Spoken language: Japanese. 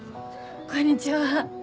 こんにちは。